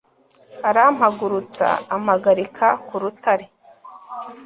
arampagurutsa, ampagarika ku rutare